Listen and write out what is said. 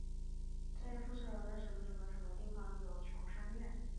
在富信楼近嘉德丽幼稚园有一条有盖行人天桥连接富山邨及琼山苑。